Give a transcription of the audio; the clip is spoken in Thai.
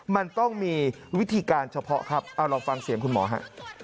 มันต้องมีวิธีการเฉพาะครับเอาลองฟังเสียงคุณหมอฮะ